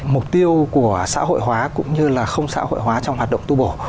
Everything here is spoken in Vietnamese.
mục tiêu của xã hội hóa cũng như là không xã hội hóa trong hoạt động tu bổ